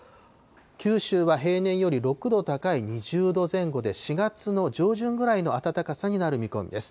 九州は平年より６度高い２０度前後で、４月の上旬ぐらいの暖かさになる見込みです。